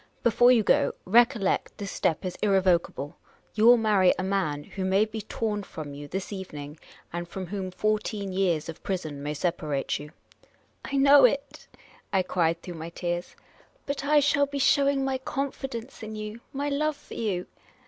" Before you go, recollect, this step is irrevocable. You will marry a man who may be torn from you this evening, and from whom fourteen years of prison may separate you." *' I know it," I cried, through my tears. " But — I shall be showing my confidence in you, my love for you."